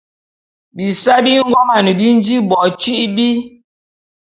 Bisae bi ngoman bi nji bo tîbi.